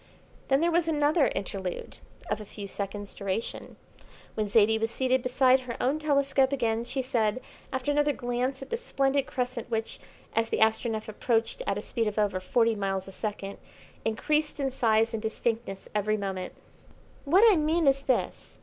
Then there was another interlude of a few seconds' duration. When Zaidie was seated beside her own telescope again, she said, after another glance at the splendid crescent which, as the Astronef approached at a speed of over forty miles a second, increased in size and distinctness every moment: "What I mean is this.